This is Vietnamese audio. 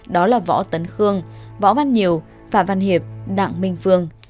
đó là võ tấn khương võ văn nhiều phạm văn hiệp đặng minh phương